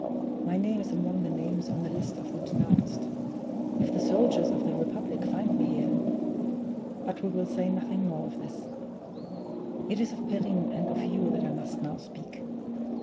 My name is among the names on the list of the denounced. If the soldiers of the Republic find me here but we will say nothing more of this; it is of Perrine and of you that I must now speak.